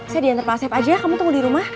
saya diantar pak aset aja ya kamu tunggu di rumah